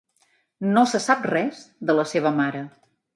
No se sap res de la seva mare.